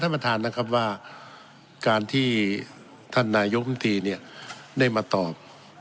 ประธานนะครับว่าการที่ท่านนายกรรมตรีเนี่ยได้มาตอบ